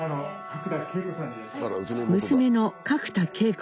娘の角田恵子さん。